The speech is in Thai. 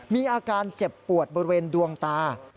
มีอาการเจ็บปวดบริเวณดวงตา